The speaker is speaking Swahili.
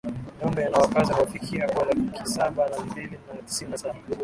Njombe ina wakazi wanaofikia kuwa laki saba na mbili na tisini na Saba